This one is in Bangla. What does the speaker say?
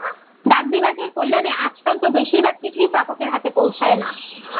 ডাকবিভাগের কল্যানে আজকাল তো বেশির ভাগ চিঠিই প্রাপকের হাতে পৌছায় না।